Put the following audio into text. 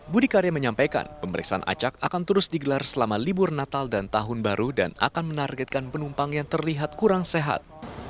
budi karya menyampaikan pemeriksaan acak akan terus digelar selama libur natal dan tahun baru dan akan menargetkan penumpang yang terlihat kurang sehat